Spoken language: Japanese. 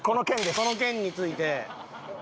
この件について。